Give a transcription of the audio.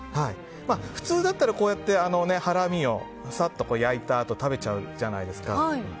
普通だったらこうやってハラミをサッと焼いたあと食べちゃうじゃないですか。